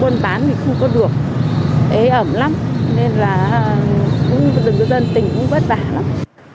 buôn bán thì không có được ế ẩm lắm nên là dân tình cũng vất vả lắm